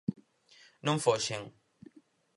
Non foxen.